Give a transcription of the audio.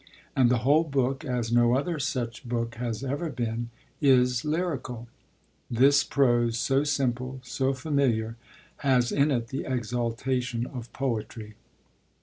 And the whole book, as no other such book has ever been, is lyrical. This prose, so simple, so familiar, has in it the exaltation of poetry.